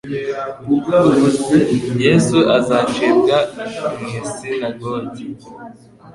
uvuze Yesu azacibwa mu isinagogi.